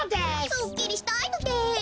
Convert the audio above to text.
すっきりしたいのです。